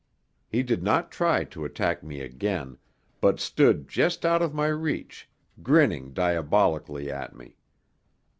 He did not try to attack me again, but stood just out of my reach, grinning diabolically at me.